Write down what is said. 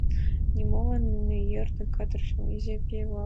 Нимолан йӧрдымӧ кадыр йолан изи пий-влак!